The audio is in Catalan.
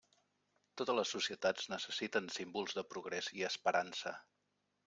Totes les societats necessiten símbols de progrés i esperança.